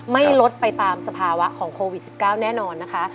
ไม่ลดไปตามสภาวะของโควิด๑๙แน่นอนนะคะ